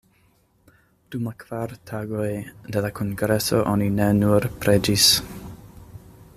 Dum la kvar tagoj de la kongreso oni ne nur preĝis.